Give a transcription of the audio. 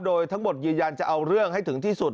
โดยทั้งหมดยืนยันจะเอาเรื่องให้ถึงที่สุด